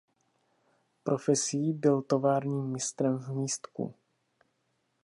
Profesí byl továrním mistrem v Místku.